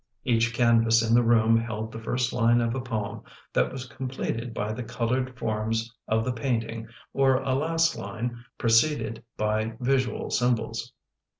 Each canvas in the room held the first line of a poem that was completed by the colored forms of the painting or a last line preceded by visual symbols.